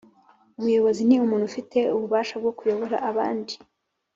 Umuyobozi Ni umuntu ufite ububasha bwo kuyobora abandi